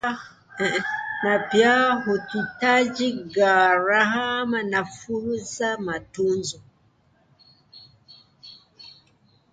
na pia huhitaji gharama nafuu za matunzo